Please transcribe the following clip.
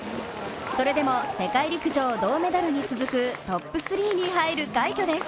それでも世界陸上、銅メダルに続くトップ３に入る快挙です。